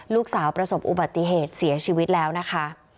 ประสบอุบัติเหตุเสียชีวิตแล้วนะคะ